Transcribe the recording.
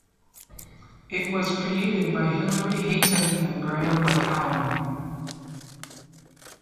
It was created by Hilary Hayton and Graham McCallum.